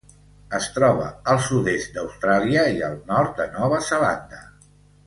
Es troba al sud-est d'Austràlia i al nord de Nova Zelanda.